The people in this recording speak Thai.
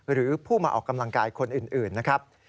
หรือผู้มาออกกำลังกายคนอื่นนะครับ